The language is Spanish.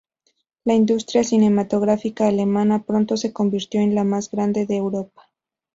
La industria cinematográfica alemana pronto se convirtió en la más grande de Europa.